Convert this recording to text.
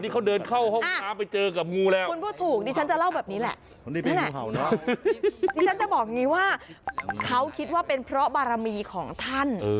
เขาคิดว่าเป็นเพราะบารมีของท่าน